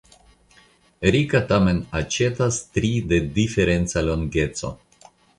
Rika tamen aĉetas tri de diferenca longeco.